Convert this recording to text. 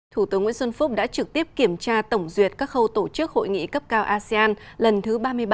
thủ tướng nguyễn xuân phúc đã trực tiếp kiểm tra tổng duyệt các khâu tổ chức hội nghị cấp cao asean lần thứ ba mươi bảy